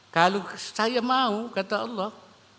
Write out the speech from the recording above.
kalau saya mau kata allah